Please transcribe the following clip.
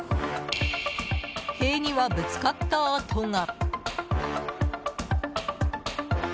塀には、ぶつかった跡が。